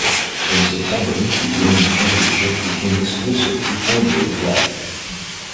In September, the Women's Championship became exclusive to only the Raw brand.